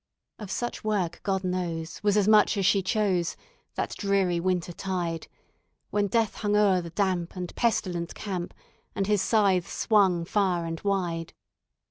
"Of such work, God knows, was as much as she chose That dreary winter tide, When Death hung o'er the damp and pestilent camp, And his scythe swung far and wide.